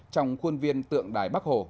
trong khuôn viên tượng đài bắc hồ